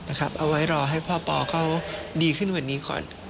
เอาไว้รอให้พ่อปอเขาดีขึ้นวันนี้ก่อน